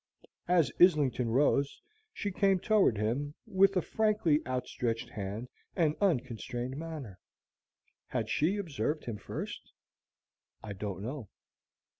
As Islington rose, she came toward him with a frankly outstretched hand and unconstrained manner. Had she observed him first? I don't know.